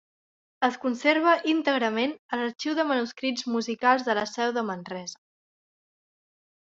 Es conserva íntegrament a l'Arxiu de Manuscrits Musicals de la Seu de Manresa.